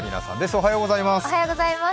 おはようございます。